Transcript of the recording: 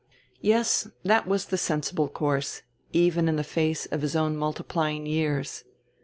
Yes, that was the sensible course, even in the face of his own multiplying years.